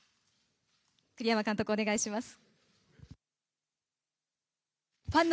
栗山監督、お願いします。